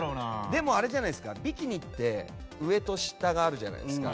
でも、ビキニって上と下があるじゃないですか。